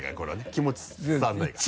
気持ち伝わらないから。